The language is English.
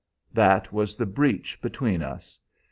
That was the breach between us.